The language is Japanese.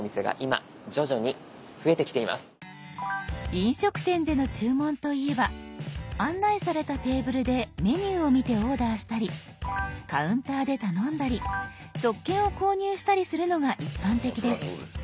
飲食店での注文といえば案内されたテーブルでメニューを見てオーダーしたりカウンターで頼んだり食券を購入したりするのが一般的です。